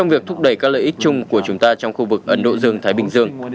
với các lợi ích chung của chúng ta trong khu vực ấn độ dương thái bình dương